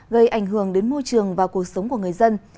gây ảnh hưởng đến môi trường và cuộc sống của người dân